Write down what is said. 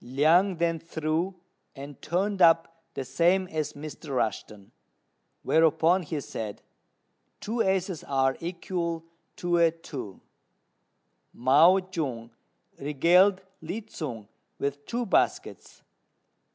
Liang then threw, and turned up the same as Mr. Rushten; whereupon he said: "Two aces are equal to a two: Mao jung regaled Lin tsung with two baskets.